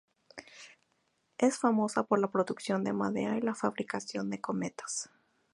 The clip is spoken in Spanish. Es famosa por la producción de madera y la fabricación de cometas.